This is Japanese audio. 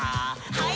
はい。